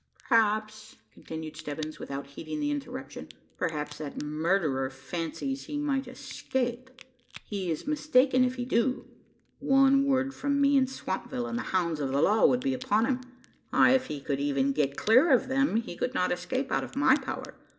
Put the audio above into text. "Perhaps," continued Stebbins, without heeding the interruption, "perhaps that murderer fancies he might escape. He is mistaken if he do. One word from me in Swampville, and the hounds of the law would be upon him; ay, and if he could even get clear of them, he could not escape out of my power.